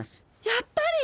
やっぱり！